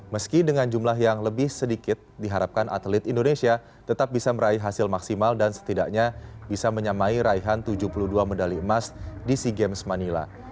meski dengan jumlah yang lebih sedikit diharapkan atlet indonesia tetap bisa meraih hasil maksimal dan setidaknya bisa menyamai raihan tujuh puluh dua medali emas di sea games manila